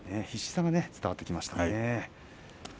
必死さが伝わってきましたね。